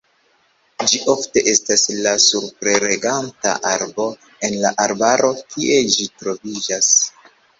Ĝi ofte estas la superreganta arbo en arbaroj kie ĝi troviĝas.